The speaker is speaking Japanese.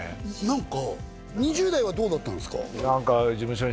何か２０代はどうだったんですか？